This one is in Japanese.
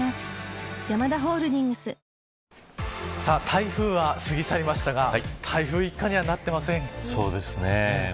台風が過ぎ去りましたが台風一過にはなっていません。